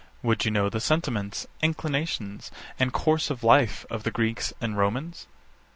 Would you know the sentiments, inclinations, and course of life of the Greeks and Romans?